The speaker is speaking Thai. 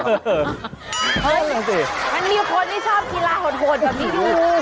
เฮ่ยมันมีคนที่ชอบกีฬาโหดกับนี้